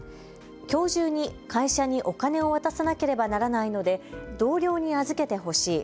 きょう中に会社にお金を渡さなければならないので同僚に預けてほしい。